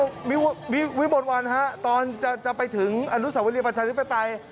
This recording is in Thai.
คุณวิบทวันตอนจะไปถึงอรุษวรีปัชฌาลิภาษา